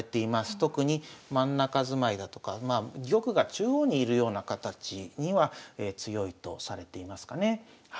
特に真ん中住まいだとか玉が中央に居るような形には強いとされていますかね。